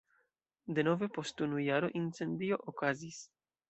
Denove post unu jaro incendio okazis.